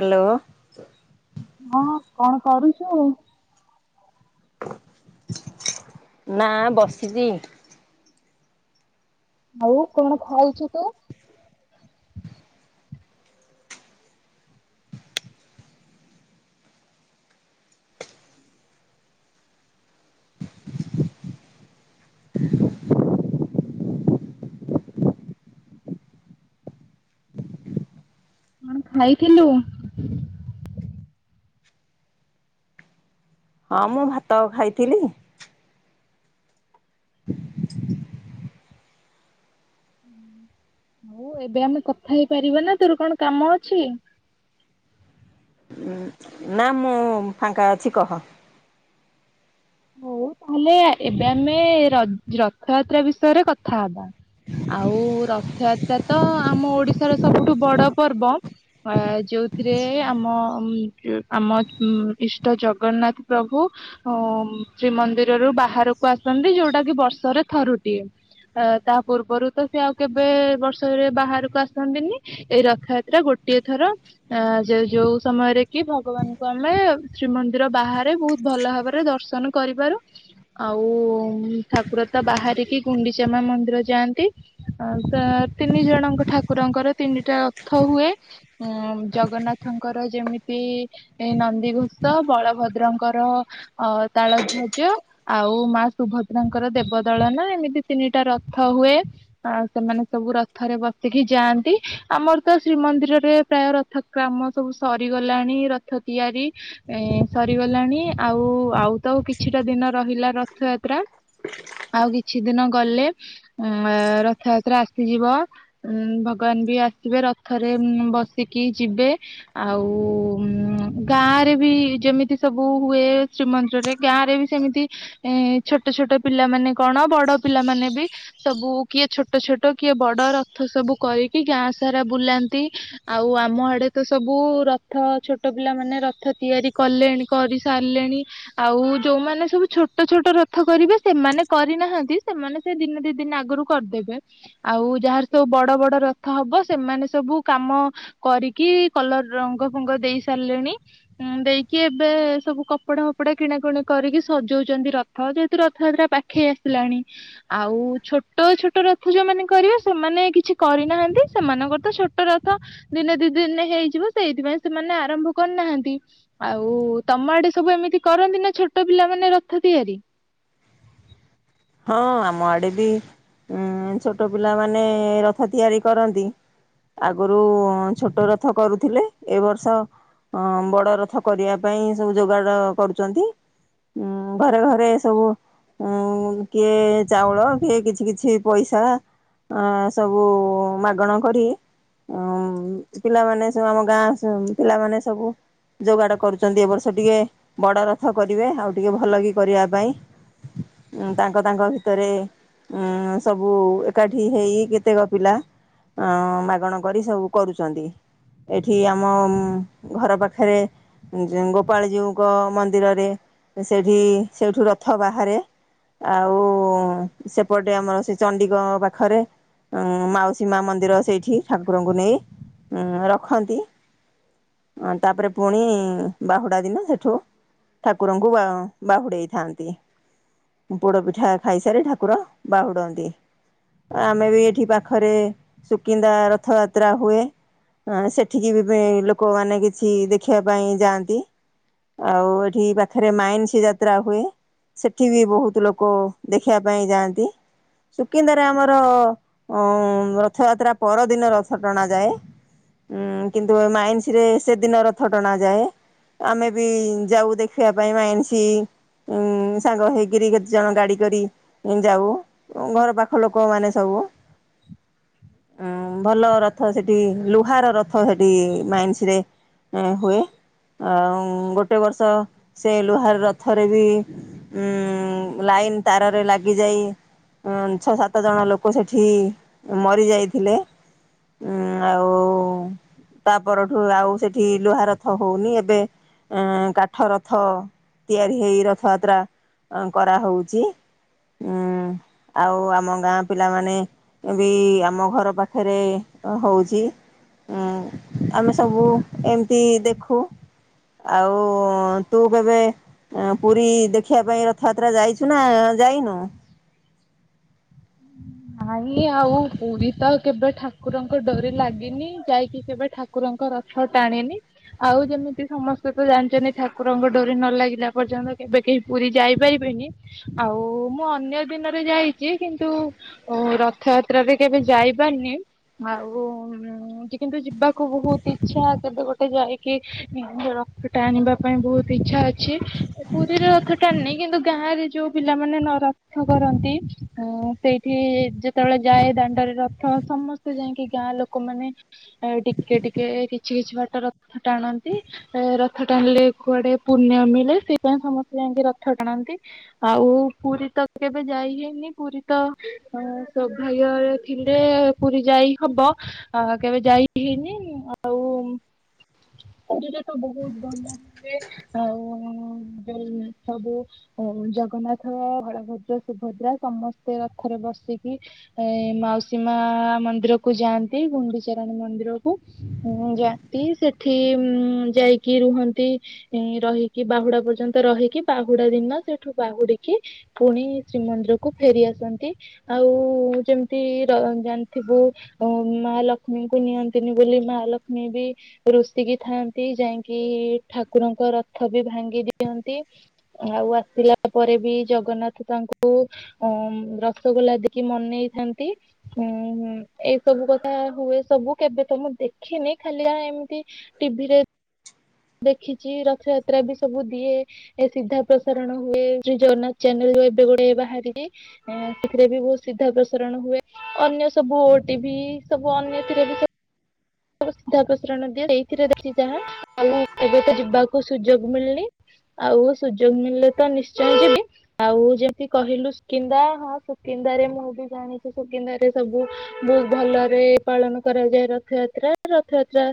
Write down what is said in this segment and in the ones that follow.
Hello. ହଁ କଣ କରୁଛୁ? ନା ବସିଛି। ଆଉ କଣ ଖାଇଛୁ ତୁ? ହୁଁ କଣ ଖାଇଥିଲୁ? ହଁ ମୁଁ ଭାତ ଖାଇଥିଲି। [unintelligible] ହୁଁ ଏବେ ଆମେ କଥା ହେଇପାରିବ ନା ତୋର କଣ କାମ ଅଛି? ଉ ନା ମୁଁ ଫାଙ୍କା ଅଛି କହ? ହଉ ତାହେଲେ ଏବେ ଆମେ ରଜ ରଥଯାତ୍ରା ବିଷୟରେ କଥା ହବା। ଆଉ ରଥଯାତ୍ରା ତ ଆମ ଓଡିଶାର ସବୁଠୁ ବଡ ପର୍ବ। ଅ ଯୋଉଥିରେ ଆମ ଆମ ଇଷ୍ଟ ଜଗନ୍ନାଥ ପ୍ରଭୁ ଓ ଶ୍ରୀମନ୍ଦିରରୁ ବାହାରକୁ ଆସନ୍ତି ଯୋଉଟା କି ବର୍ଷରେ ଥରୁଟିଏ। ଅ ତା ପୂର୍ବରୁ ତ ସେ ଆଉ କେବେ ବର୍ଷରେ ବାହାରକୁ ଆସନ୍ତିନି? ଏଇ ରଥଯାତ୍ରା ଗୋଟିଏ ଥର। ଅ ଯ ଯୋଉ ସମୟରେ କି ଭଗବାନଙ୍କୁ ଆମେ ଶ୍ରୀମନ୍ଦିର ବାହାରେ ବହୁତ ଭଲ ଭାବରେ ଦର୍ଶନ କରିପାରୁ ଆଉ ଠାକୁରତ ବାହାରିକି ଗୁଣ୍ଡିଚାମା ମନ୍ଦିର ଯାଆନ୍ତି। ତିନି ଜଣଙ୍କ ଠାକୁରଙ୍କର ତିନିଟା ରଥ ହୁଏ। ଉଁ ଜଗନ୍ନାଥଙ୍କର ଯେମିତି ଏଇ ନନ୍ଦିଘୋଷ ବଳଭଦ୍ରଙ୍କର ଅ ତାଳଧ୍ୱଜ ଆଉ ମା ସୁଭଦ୍ରାଙ୍କର ଦେବଦଳନା ଏମିତି ତିନିଟା ରଥ ହୁଏ। ଆଉ ସେମାନେ ସବୁ ରଥରେ ବସିକି ଯାଆନ୍ତି ଆମର ତ ଶ୍ରୀମନ୍ଦିରରେ ପ୍ରାୟ ରଥ କାମ ସବୁ ସରିଗଲାଣି ରଥ ତିଆରି ଏଁ ସରିଗଲାଣି ଆଉ ଆଉ ତ କିଛିଟା ଦିନ ରହିଲା ରଥଯାତ୍ରା ଆଉ କିଛି ଦିନ ଗଲେ। ଉ ରଥଯାତ୍ରା ଆସିଯିବ। ଉଁ ଭଗବାନ ବି ଆସିବେ ରଥରେ ବସିକି ଯିବେ। ଆଉ ଗାଁରେ ବି ଯେମିତି ସବୁ ହୁଏ ଶ୍ରୀମନ୍ଦିରରେ ଗାଁ ରେ ବି ସେମିତି ଏ ଛୋଟ ଛୋଟ ପିଲାମାନେ କଣ ବଡ ପିଲାମାନେ ବି ସବୁ କିଏ ଛୋଟ ଛୋଟ କିଏ ବଡ ରଥ ସବୁ କରିକି ଗାଁ ସାରା ବୁଲାନ୍ତି। ଆଉ ଆମ ଆଡେ ତ ସବୁ ରଥ ଛୋଟ ପିଲାମାନେ ରଥ ତିଆରି କଲେଣି। କରିସାରିଲେଣି। ଆଉ ଯୋଉମାନେ ସବୁ ଛୋଟ ଛୋଟ ରଥ କରିବେ ସେମାନେ କରିନାହାନ୍ତି ସେମାନେ ସେ ଦିନେ ଦି ଦିନ ଆଗୁରୁ କରଦେବେ। ଆଉ ଯାହାର ସବୁ ବଡ ବଡ ରଥ ହବ ସେମାନେ ସବୁ କାମ କରିକି କଲର ରଙ୍ଗ ଫଙ୍ଗ ଦେଇ ସାରିଲେଣି। ହୁଁ ଦେଇକି ଏବେ ସବୁ କପଡା ହପ କପଡା କିଣାକୁଣି କରିକି ସଜଉଛନ୍ତି ରଥ ଯେହେତୁ ରଥଯାତ୍ରା ପାଖେଇ ଆସିଲାଣି। ଆଉ ଛୋଟ ଛୋଟ ରଥ ଯୋଉମାନେ କରିବେ ସେମାନେ କିଛି କରିନାହାନ୍ତି ସେମାନଙ୍କର ତ ଛୋଟ ରଥ ଦିନେ ଦି ଦିନରେ ହେଇଯିବ ସେଇଥିପାଇଁ ସେମାନେ ଆରମ୍ଭ କରନାହାନ୍ତି। ଆଉ ତମ ଆଡେ ସବୁ ଏମିତି କରନ୍ତି ନା ଛୋଟ ପିଲା ମାନେ ରଥ ତିଆରି। ହଁ ଆମ ଆଡେ ବି ଉଁ ଛୋଟ ପିଲାମାନେ ରଥ ତିଆରି କରନ୍ତି। ଆଗରୁ ଛୋଟ ରଥ କରୁଥିଲେ ଏ ବର୍ଷ ହଁ ବଡ ରଥ କରିବା ପାଇଁ ସବୁ ଯୋଗାଡ କରୁଛନ୍ତି। ହୁଁ ଘରେ ଘରେ ସବୁ ଉଁ କିଏ ଚାଉଳ କିଏ କିଛି କିଛି ପଇସା ଅଁ ସବୁ ମାଗଣ କରି ଅ ଉମ ପିଲାମାନେ ସବୁ ଆମ ଗାଁ ପିଲାମାନେ ସବୁ ଯୋଗାଡ କରୁଚନ୍ତି ଏ ବର୍ଷ ଟିକେ ବଡ ରଥ କରିବେ ଆଉ ଟିକେ ଭଲ କି କରିବା ପାଇଁ। ଉଁ ତା ତାଙ୍କ ତାଙ୍କ ଭିତରେ ଉଁ ସବୁ ଏକାଠି ହେଇ କେତେକ ପିଲା ଅଁ ମାଗଣ କରି ସବୁ କରୁଚନ୍ତି। ଏଠି ଆମ ଘର ପାଖେରେ ଗୋପାଳଜୀଉଙ୍କ ମନ୍ଦିରରେ ସେଇଠି ସେଉଠୁ ରଥ ବାହାରେ। ଆଉ ସେପଟେ ଆମର ସେ ଚଣ୍ଡିଙ୍କ ପାଖରେ ଉଁ ମାଉସୀ ମା ମନ୍ଦିର ସେଇଠି ଠାକୁରଙ୍କୁ ନେଇ ଉଁ ରଖନ୍ତି। ଅଁ ତାପରେ ପୁଣି ବାହୁଡା ଦିନ ସେଠୁ ଠାକୁରଙ୍କୁ ବା ବାହୁଡେଇଥାନ୍ତି। ପୋଡ ପିଠା ଖାଇସାରି ଠାକୁର ବାହୁଡନ୍ତି। ଆମେ ବି ଏଠି ପାଖରେ ସୁକିନ୍ଦା ରଥଯାତ୍ରା ହୁଏ। ହଁ ସେଠିକି ବି ପେଣି ଲୋକମାନେ କିଛି ଦେଖିଆ ପାଇଁ ଯାଆନ୍ତି। ଆଉ ଏଠି ପାଖେରେ ମାଇନ୍ସି ଯାତ୍ରା ହୁଏ ସେଠି ବି ବହୁତ ଲୋକୋ ଦେଖିଆ ପାଇଁ ଯାଆନ୍ତି। ସୁକିନ୍ଦାରେ ଆମର ଅଁ ରଥଯାତ୍ରା ପରଦିନ ରଥ ଟଣା ଯାଏ। ଉଁ କିନ୍ତୁ ଏ ମାଇନ୍ସି ରେ ସେଦିନ ରଥ ଟଣା ଯାଏ। ଆମେ ବି ଯାଉ ଦେଖିବା ପାଇଁ ମାଇନ୍ସି ଉଁ ସାଙ୍ଗ ହେଇକିରି କେତେ ଜଣ ଗାଡି କରି ଯାଉ ଉଁ ଘର ପାଖ ଲୋକମାନେ ସବୁ। ହୁଁ ଭଲ ରଥ ସେଠି ଲୁହାର ରଥ ସେଠି ମାଇନ୍ସିରେ ହୁଏ। ଆଉ ଗୋଟେ ବର୍ଷ ସେ ଲୁହାର ରଥରେ ବି ଉମ ଲାଇନ୍ ତାରରେ ଲାଗିଯାଇ ଉଁ ଛ ସାତ ଜଣ ଲୋକ ସେଠି ମରି ଯାଇଥିଲେ। ଉଁ ଆଉ ତା ପରଠୁ ଆଉ ସେଠି ଲୁହା ରଥ ହଉନି ଏବେ ଏଁ କାଠ ରଥ ତିଆରି ହେଇ ରଥଯାତ୍ରା କରା ହଉଛି ଉଁ ଆଉ ଆମ ଗାଁ ପିଲାମାନେ ବି ଆମ ଘର ପାଖେରେ ହଉଚି। ଉଁ ଆମେ ସବୁ ଏମତି ଦେଖୁ। ଆଉ ତୁ କେବେ ପୁରୀ ଦେଖିଆ ପାଇଁ ର ଥ ଯାତ୍ରା ଯାଇଛୁ ନା ଯାଇନୁ? ନାଇଁ ଆଉ ପୁରୀ ତ କେବେ ଠାକୁରଙ୍କ ଡୋରି ଲାଗିନି ଯାଇକି କେବେ ଠାକୁ ଠାକୁରଙ୍କ ରଥ ଟାଣିନି। ଆଉ ଯେମିତି ସମସ୍ତେ ତ ଜାଣିଛନ୍ତି ଠାକୁରଙ୍କ ଡୋରି ନ ଲାଗିଲା ପର୍ଯ୍ୟନ୍ତ କେବେ କେହି ପୁରୀ ଯାଇପାରିବେନି। ଆଉ ମୁଁ ଅନ୍ୟ ଦିନରେ ଯାଇଛି କିନ୍ତୁ ରଥଯାତ୍ରାରେ କେବେ ଯାଇପାରିନି ଆଉ ଉଁ କିନ୍ତୁ ଯିବାକୁ ବହୁତ ଇଛା କେବେ ଗୋଟେ ଯାଇକି ର ଥ ଟାଣିବା ପାଇଁ ବହୁତ ଇଚ୍ଛା ଅଛି। ପୁରୀରେ ରଥ ଟାଣିିନି କିନ୍ତୁ ଗାଁରେ ଯୋଉ ପିଲାମାନେ ନ ରଥ କରନ୍ତି ଆ ସେଇଠି ଯେତେବେଳେ ଯାଏ ଦାଣ୍ଡରେ ରଥ ସମସ୍ତେ ଯାଇକି ଗାଁ ଲୋକମାନେ ଆ ଟିକେ ଟିକେ କିଛି କିଛି ବାଟ ରଥ ଟାଣନ୍ତି। ଏ ରଥ ଟାଣିଲେ କୁଆଡେ ପୁଣ୍ୟ ମିଳେ ସେଇପାଇଁ ସମସ୍ତେ ଯାଇକି ରଥ ଟାଣନ୍ତି। ଆଉ ପୁରୀ ତ କେବେ ଯାଇ ହେଇନି ପୁରୀ ତ ସୌଭାଗ୍ୟ ଥିଲେ ପୁରୀ ଯାଇ ହବ ଆ କେବେ ଯାଇ ହେଇନି ଆଉ ପୁରୀରେ ତ ବହୁତ ଭଲ ହୁଏ ଆଉ ସବୁ ଜଗନ୍ନାଥ ବଳଭଦ୍ର ସୁଭଦ୍ରା। ସମସ୍ତେ ରଥରେ ବସିକି ଏ ମାଉସୀ ମା ମନ୍ଦିର କୁ ଯାଆନ୍ତି ଗୁଣ୍ଡିଚାରାଣୀ ମନ୍ଦିରକୁ। ହଁ ଜାତି ସେଠି ଯାଇକି ରୁହନ୍ତି। ରହିକି ବାହୁଡା ପର୍ଯ୍ୟନ୍ତ ରହିକି ବାହୁଡା ଦିନ ସେଠୁ ବାହୁଡିକି ପୁଣି ଶ୍ରୀମନ୍ଦିରକୁ ଫେରି ଆସନ୍ତି। ଆଉ ଯେମିତି ଜାଣିଥିବୁ ମା ଲକ୍ଷ୍ମୀଙ୍କୁ ନିଅନ୍ତିନି ବୋଲି ମା ଲକ୍ଷ୍ମୀ ବି ରୋଷିକି ଥାନ୍ତି ଯାଇକି ଠାକୁରଙ୍କ ରଥ ବି ଭାଙ୍ଗି ଦିଅନ୍ତି। ଆଉ ଆସିଲା ପରେ ବି ଜଗନ୍ନାଥ ତାଙ୍କୁ ଓ ରସଗୋଲା ଦେକି ମନେଇଥାନ୍ତି। ହୁଁ ହୁଁ ଏଇ ସବୁ କଥା ହୁଏ ସବୁ କେବେ ତ ମୁଁ ଦେଖିନି ଖାଲିଆ ଏମିତି ଟିଭି ରେ ଦେଖିଛି ରଥଯାତ୍ରା ବି ସବୁ ଦିଏ। ଏ ସିଧା ପ୍ରସାରଣ ହୁଏ ଶ୍ରୀ ଜଗନ୍ନାଥ ଚ୍ୟାନେଲ ଏବେ ଗୁଡେ ବାହାରିଯା ସେଥିରେ ବି ବହୁତ ସିଧା ପ୍ରସାରଣ ହୁଏ। ଅନ୍ୟ ସବୁ ଟିବି ସବୁ ଅନ୍ୟଥିରେ ବି ସଧାସରଣ ଦି ସେଥିଛି ଯାହା ଆ ଏବେ ତ ଯିବାକୁ ସୁଯୋଗ ମିଳନି। ଆଉ ସୁଯୋଗ ମିଳିଲେ ତ ନିଶ୍ଚୟ ଯିବି। ଆଉ ଯେମତି କହିଲୁ ସୁକିନ୍ଦା ହଁ ସୁକିନ୍ଦାରେ ମୁଁ ବି ଜାଣିଛି ସୁକିନ୍ଦାରେ ସବୁ ବହୁତ ଭଲରେ ପାଳନ କରାଯାଏ ରଥଯାତ୍ରା ରଥଯାତ୍ରା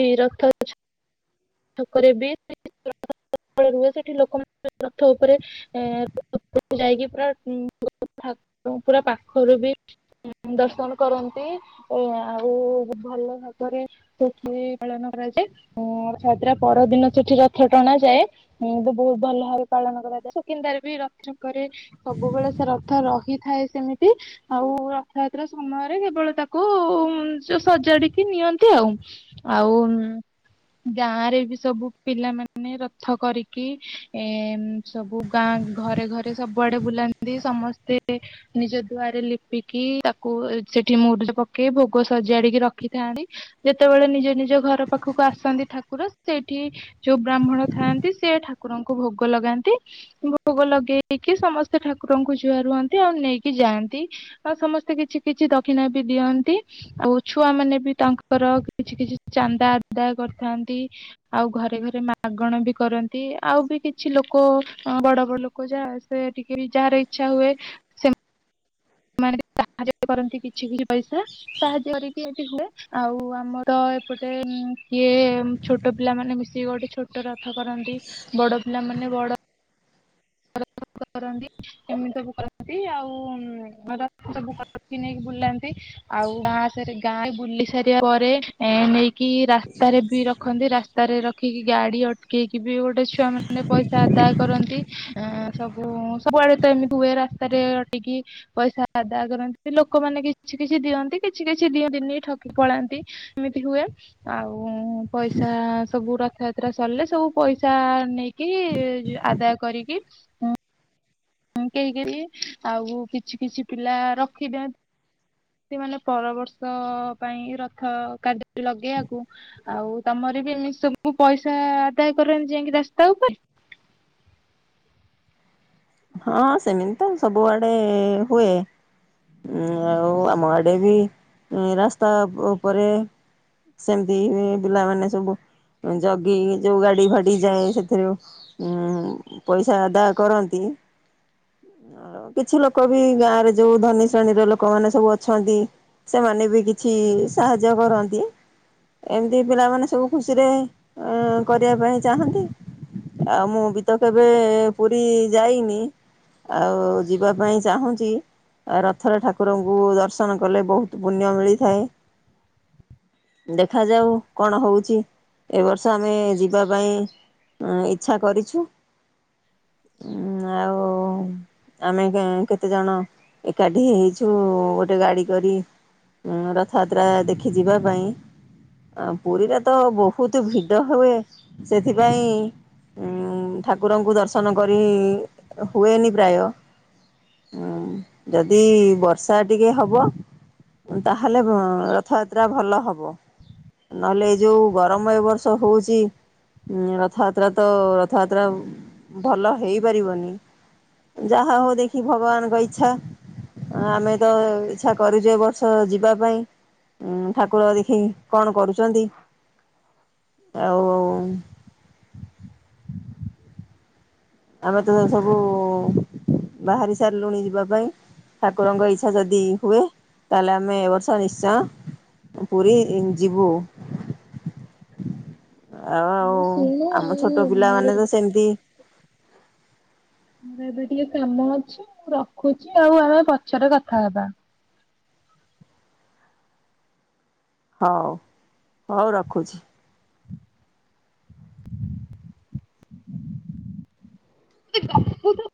ଏଇ ରଥ ଠି [unintelligible] ଲୋକଙ୍କ ରଥ ଉପରେ ଏ [unintelligible] ଯାଇକି [unintelligible] ପୁର ପୁରା ପାଖରୁ ବି ଦର୍ଶନ କରନ୍ତି ଆଉ ଭଲ ଭାବରେ ସେଠି ପାଳନ କରାଯାଏ ଯାତ୍ରା ପରଦିନ ସେଠି ରଥ ଟଣା ଯାଏ। ହଁ ବହୁତ ଭଲ ଭାବେ ପାଳନ କରାଯାଏ ସୁକିନ୍ଦାରେ ବି ରଥ କରେ। ସବୁବେଳେ ସେ ରଥ ରହିଥାଏ ସେମିତି। ଆଉ ରଥଯାତ୍ରା ସମୟରେ କେବଳ ତାକୁ ସଜାଡିକି ନିଅନ୍ତି ଆଉ। ଆଉ। ଗାଁ ରେ ବି ସବୁ ପିଲାମାନେ ରଥ କରିକି ଏ ସବୁ ଗାଁ ଘରେ ଘରେ ସବୁଆଡେ ବୁଲାନ୍ତି ସମସ୍ତେ ନିଜ ଦୁଆରେ ଲିପିକି ତାକୁ ସେଠି ମୁରରେ ପକେଇ ଭୋଗ ସଜାଡିକି ରଖିଥାନ୍ତି। ଯେତେବେଳେ ନିଜ ନିଜ ଘର ପାଖକୁ ଆସନ୍ତି। ଠାକୁର ସେଇଠି ଯୋଉ ବ୍ରାହ୍ମଣ ଥାଆନ୍ତି ସେ ଠାକୁରଙ୍କୁ ଭୋଗ ଲଗାନ୍ତି। ଭୋଗ ଲଗେଇକି ସମସ୍ତେ ଠାକୁରଙ୍କୁ ଜୁହାର୍ ରୁହନ୍ତି ଆଉ ନେଇକି ଯାଆନ୍ତି। ଆଉ ସମସ୍ତେ କିଛି କିଛି ଦକ୍ଷିଣା ବି ଦିଅନ୍ତି। ଆଉ ଛୁଆ ମାନେ ବି ତାଙ୍କର କିଛି କିଛି ଚାନ୍ଦା ଆଦାୟ କରିଥାନ୍ତି। ଆଉ ଘରେ ଘରେ ମାଗଣା ବି କରନ୍ତି ଆଉ ବି କିଛି କିଛି ଲୋକ ବଡ ବଡ ଲୋକ ଯାହା ସେ ଟିକେ ବି ଯାହାର ଇଚ୍ଛା ହୁଏ। ସେମାନେ ସାହାଯ୍ୟ ବି କରନ୍ତି କିଛି କିଛି ପଇସା ସାହାଯ୍ୟ କରିକି ଏମତି ହୁଏ। ଆଉ ଆମର ଏପଟେ କିଏ ଛୋଟ ପିଲାମାନେ ମିଶିକି ଗୋଟେ ଛୋ ଟ ରଥ କରନ୍ତି ବଡ ପିଲାମାନୋନେ ବଡ। [unintelligible] ଏମିତି ସବୁ କରନ୍ତି ଆଉ [unintelligible] ସବୁ ନେଇକି ବୁଲନ୍ତି। ଆଉ ଗାଁ ସ ଗାଁ ବୁଲି ସାରିବା ପରେ ଏ ନେଇକି ରାସ୍ତାରେ ବି ରଖନ୍ତି ରାସ୍ତାରେ ର ରଖିକି ଗାଡି ଅଟକେଇକି ବି ଗୋଟେ ଛୁଆ ମାନେ ପଇସା ଆଦାୟ କରନ୍ତି। ସବୁ ସବୁଆଡେ ତ ଏମିତି ହୁଏ ରାସ୍ତାରେ ଅଟିକି। ପଇସା ଆଦାୟ କରନ୍ତି ଲୋକମାନେ କିଛି କିଛି ଦିଅନ୍ତି କିଛି କିଛି ଦିଅନ୍ତିନ ଠକି ପଳାନ୍ତି। ଏମିତି ହୁଏ ଆଉ ପଇସା ସବୁ ରଖ ସରିଲେ ସବୁ ପଇସା ନେଇକି, ଆଦାୟ କରିକି କେହିକ, ଆଉ କିଛି କିଛି ପିଲା ରଖିଦିନ୍ତି। ସେ ମାନେ ପର ବର୍ଷ ପାଇଁ ରଥ କାର୍ଯ୍ୟ ଲଗେଇବାକୁ ଆଉ ତମର ବି ଏମିତି ସବୁ ପଇସା ଆଦାୟ କରନ୍ତି, ଯାଇକି ରାସ୍ତା ଉପରେ ହଁ ସେମିତି ତ ସବୁଆଡେ ହୁଏ। ଉ ଆଉ ଆମ ଆଡେ ବି ରାସ୍ତା ଉପରେ ସେମିତି ପିଲାମାନେ ସବୁ ଜଗି ଯୋଉ ଗାଡି ଫାଡି ଯାଏ ସେଥିରୁ ହୁଁ ପଇସା ଆଦାୟ କରନ୍ତି। ଆଉ କିଛି ଲୋକ ବି ଗାଁରେ ଯୋଉ ଧନୀ ଶ୍ରେଣୀର ଲୋକମାନେ ସବୁ ଅଛନ୍ତି ସେମାନେ ବି କିଛି ସାହାଯ୍ୟ କରନ୍ତି। ଏମିତି ପିଲାମାନେ ସବୁ ଖୁସିରେ କରିବା ପାଇଁ ଚାହାଁନ୍ତି। ଆଉ ମୁଁ ବି ତ କେବେ ପୁରୀ ଯାଇନି ଆଉ ଯିବା ପାଇଁ ଚାହୁଁଛି। ରଥରେ ଠାକୁରଙ୍କୁ ଦର୍ଶନ କଲେ ବହୁତ ପୁଣ୍ୟ ମିଳିଥାଏ। ଦେଖାଯାଉ କଣ ହଉଛି, ଏ ବର୍ଷ ଆମେ ଯିବା ପାଇଁ ହ ଇଚ୍ଛା କରିଛୁ। [inaudible] ଆଉ ଆମେ କେତେ ଜଣ ଏକାଠି ହେଇଛୁ ଗୋଟେ ଗାଡି କରି ରଥଯାତ୍ରା ଦେଖି ଯିବା ପାଇଁ ଆ ପୁରୀରେ ତ ବହୁତ ଭିଡ ହୁଏ, ସେଥିପାଇଁ ଉଁ ଠାକୁରଙ୍କୁ ଦର୍ଶନ କରି ହୁଏନି ପ୍ରାୟ ହୁଁ ଯଦି ବର୍ଷା ଟିକେ ହବ ତାହେଲେ ରଥଯାତ୍ରା ଭଲ ହବ। ନହେଲେ ଏ ଯୋଉ ଗରମ ଏ ବର୍ଷ ହଉଛି ହଁ ରଥଯାତ୍ରା ତ ରଥଯାତ୍ରା ଭଲ ହେଇପାରିବନି [unintelligible] ଯାହା ହଉ ଦେଖି ଭଗବାନ ଙ୍କ ଇଛା ଆମେ ତ ଇଚଛା କରୁଛୁ ଏ ବର୍ଷ ଯିବା ପାଇଁ ଉୁଁ ଠାକୁର ଦେଖି କଣ କରୁଛନ୍ତି, ଆଉ ଆମେ ତ ସବୁ ବାହାରି ସାରିଲୁଣି ଯିବା ପାଇଁ ଠାକୁରଙ୍କ ଇଚ୍ଛା ଯଦି ହୁଏ, ତାହେଲେ ଆମେ ଏବ ବର୍ଷ ନିଶ୍ଚୟ ପୁରୀ ଯିବୁ। ଆଉ ଆଉ ମୁଁ ଶୁଣୁ ଆଉ ଆମ ଛୋଟ ମୋର ପିଲାମାନେ ତ ସେମତି ମୁଁର ଏବେ ଟିକେ କାମ ଅଛି ମୁଁ ରଖୁଛି, ଆଉ ଆମେ ପଛରେ କଥା ହବା। ହଉ ହଉ ରଖୁଛି। [inaudible]